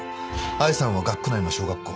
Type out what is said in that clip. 愛さんは学区内の小学校。